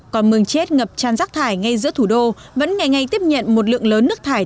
còn mương chết ngập tràn rác thải ngay giữa thủ đô vẫn ngày ngày tiếp nhận một lượng lớn nước thải